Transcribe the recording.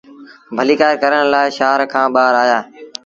ڀليٚڪآر ڪرڻ لآ شآهر کآݩ ٻآهر آيآ۔